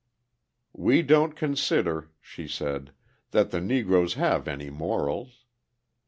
"We don't consider," she said, "that the Negroes have any morals.